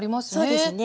そうですね。